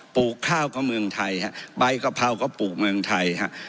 ลูกข้าวก็เมืองไทยฮะใบกะเพราก็ปลูกเมืองไทยฮะ